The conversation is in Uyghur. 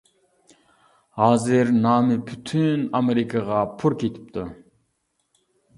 ھازىر نامى پۈتۈن ئامېرىكىغا پۇر كېتىپتۇ.